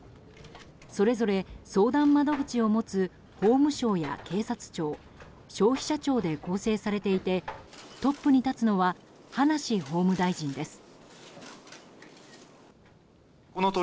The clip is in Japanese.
それぞれ相談窓口を持つ法務省や警察庁消費者庁で構成されていてトップに立つのは葉梨法務大臣です。